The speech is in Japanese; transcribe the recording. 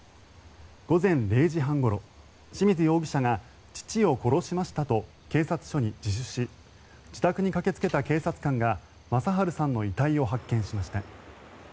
午前０時半ごろ志水容疑者が父を殺しましたと警察署に自首し自宅に駆けつけた警察官が正春さんの遺体を発見しました。